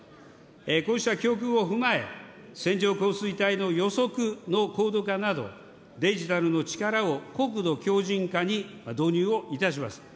こうした教訓を踏まえ、線状降水帯の予測の高度化など、デジタルの力を国土強じん化に導入をいたします。